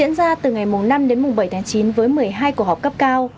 diễn ra từ ngày mùng năm đến mùng bảy tháng chín với một mươi hai cuộc họp cấp cao